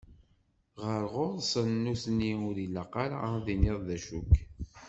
Ɣer ɣur-sen nutni, ur ilaq ara ad d-tiniḍ d acu-k.